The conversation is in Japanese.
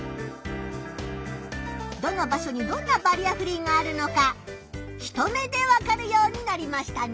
どの場所にどんなバリアフリーがあるのか一目でわかるようになりましたね。